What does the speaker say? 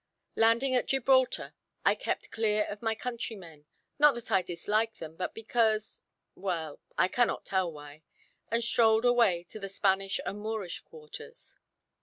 Landing at Gibraltar, I kept clear of my countrymen, not that I dislike them, but because well I cannot tell why; and strolled away to the Spanish and Moorish quarters.